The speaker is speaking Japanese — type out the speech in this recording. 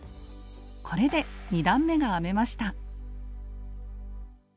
これで２段めが編めました。